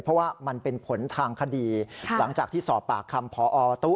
เพราะว่ามันเป็นผลทางคดีหลังจากที่สอบปากคำพอตู้